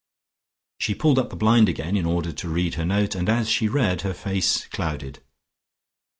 She pulled up the blind again in order to read her note and as she read her face clouded.